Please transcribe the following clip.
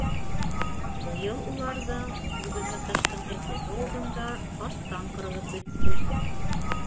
Быйыл уларҙың күбеһе ҡыштың әсе һыуығында астан ҡырылып бөттө.